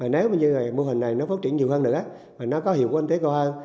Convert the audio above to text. nếu như mô hình này phát triển nhiều hơn nữa có hiệu quả tế cơ hơn